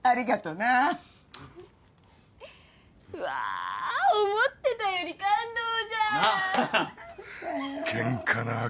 うわ思ってたより感動じゃん！なあ。